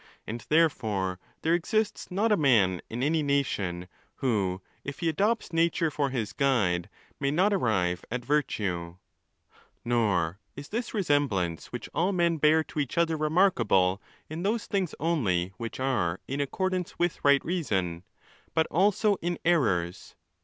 And therefore there exists not a man in any nation, who, if he adopts nature for his guide, may not arrive at virtue. XI. Nor is this resemblance which all men bear to each other remarkable in those things only which are in accord ance with right reason, but also in errors.